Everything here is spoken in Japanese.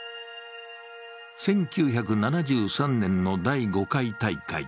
１９７３年の第５回大会。